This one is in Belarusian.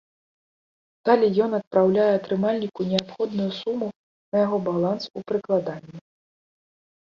Далей ён адпраўляе атрымальніку неабходную суму на яго баланс у прыкладанні.